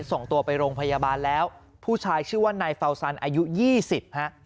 ส่งตัวไปโรงพยาบาลแล้วผู้ชายชื่อว่านายเฟาซันอายุยี่สิบฮะ